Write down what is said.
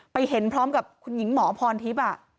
เห็นพร้อมกับคุณหญิงหมอพรทิพย์